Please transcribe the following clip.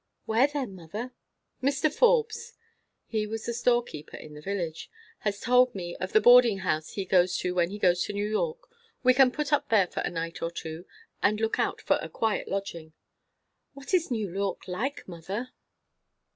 "Where then, mother?" "Mr. Forbes," he was the storekeeper at the village, "has told me of the boarding house he goes to when he goes to New York. We can put up there for a night or two, and look out a quiet lodging." "What is New York like, mother?"